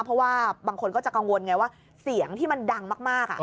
เพราะว่าบางคนก็จะกังวลไงว่าเสียงที่มันดังมาก